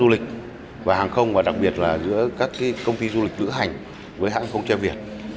du lịch và hàng không và đặc biệt là giữa các công ty du lịch lữ hành với hãng không treo việt